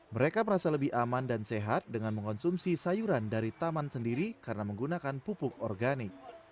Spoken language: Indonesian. mereka merasa lebih aman dan sehat dengan mengonsumsi sayuran dari taman sendiri karena menggunakan pupuk organik